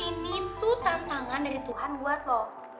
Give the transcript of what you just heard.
ini tuh tantangan dari tuhan buat lo